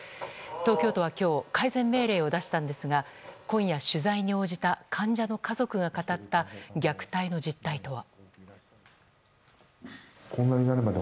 東京都は今日、改善命令を出したんですが今夜、取材に応じた患者の家族が語った虐待の実態とは。